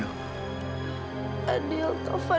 fadil tuhan masih hidup fadil